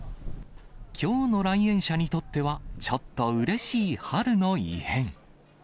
きょうの来園者にとっては、ちょっとうれしい春の異変。